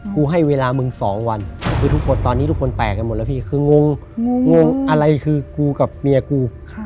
กูให้เวลามึง๒วันคือทุกคนตอนนี้ทุกคนแตกกันหมดแล้วพี่คืองงงงอะไรคือกูกับเมียกู